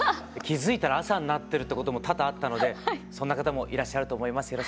気付いたら朝になってるってことも多々あったのでそんな方もいらっしゃると思います。